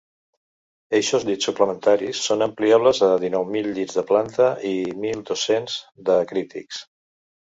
Eixos llits suplementaris són ampliables a dinou mil llits de planta i mil dos-cents de crítics.